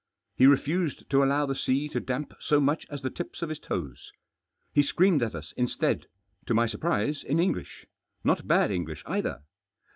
He refused to allow the sea to damp so much as the tips of his toes. He screamed at us instead — to my surprise, in English — not bad English either.